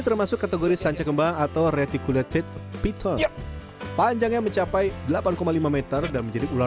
termasuk kategori sancakembang atau retikulasi pita panjangnya mencapai delapan lima m dan menjadi ular